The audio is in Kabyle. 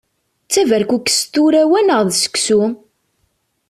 D taberkukest tura wa neɣ d seksu?